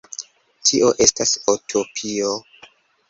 Tio estas utopio.